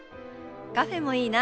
カフェもいいな。